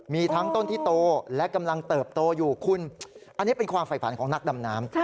มีทั้งต้นที่โตและกำลังเติบโตอยู่คุณอันนี้เป็นความฝ่ายฝันของนักดำน้ำ